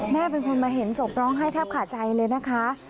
แม่เป็นคนมาเห็นศพร้องไห้แทบขาดใจเลยนะคะ